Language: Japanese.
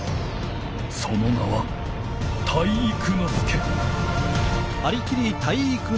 その名は体育ノ介！